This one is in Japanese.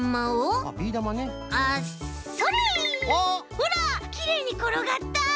ほらきれいにころがった！